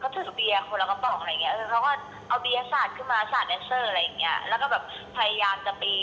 ซึ่งเธอก็เล่าเหตุการณ์ที่เกิดขึ้นแบบนี้ค่ะ